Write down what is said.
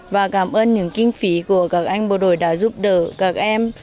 và cảm ơn những kinh phí của các anh bộ đội đã giúp đỡ các em